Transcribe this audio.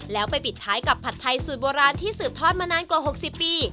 แล้วไปปิดท้ายกับผัดไทยสูตรโบราณที่สืบทอดมานานกว่า๖๐ปี